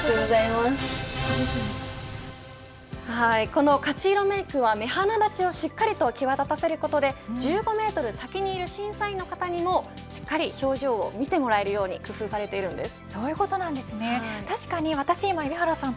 この勝色メークは目鼻立ちをしっかりと際立たせることで１５メートル先にいる審査員の方にもしっかりと表情を見てもらえるように工夫されているんです。